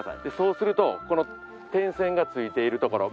でそうするとこの点線がついている所